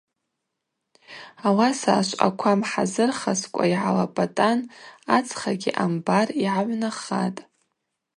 Ауаса ашвъаква мхӏазырхаскӏва йгӏалапӏатӏан ацхагьи амбар йгӏагӏвнахатӏ.